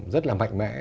rất là mạnh mẽ